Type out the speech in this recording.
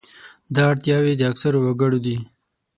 دا اړتیاوې د اکثرو وګړو دي.